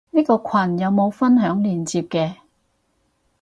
呢個羣有冇分享連接嘅？